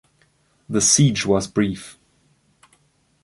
The siege was brief.